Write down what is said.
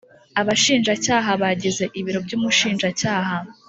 Abashinjacyaha bagize ibiro by Umushinjacyaha